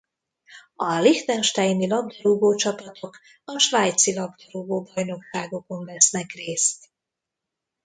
A liechtensteini labdarúgócsapatok a svájci labdarúgó-bajnokságokon vesznek részt.